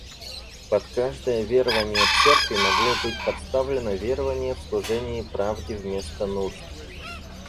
Под каждое верование церкви могло быть подставлено верование в служение правде вместо нужд.